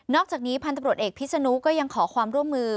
อกจากนี้พันธบรวจเอกพิษนุก็ยังขอความร่วมมือ